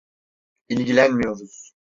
İlgilenmiyoruz.